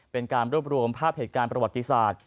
เป็นการรวบรวมภาพเหตุการณ์ประวัติศาสตร์